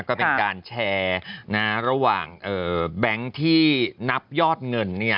ก็เป็นการแชร์ระหว่างแบงค์ที่นับยอดเงิน